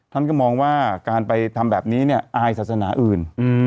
ท่านก็มองว่าการไปทำแบบนี้เนี่ยอายศาสนาอื่น